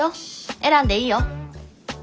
選んでいいよ。